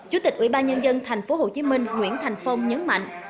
chủ tịch ubnd tp hcm nguyễn thành phong nhấn mạnh